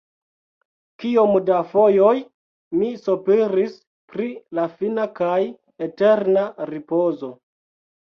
Kiom da fojoj mi sopiris pri la fina kaj eterna ripozo.